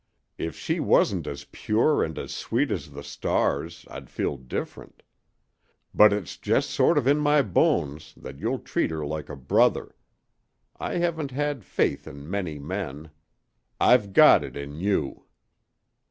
"If she wasn't as pure and as sweet as the stars I'd feel different. But it's just sort of in my bones that you'll treat her like a brother. I haven't had faith in many men. I've got it in you."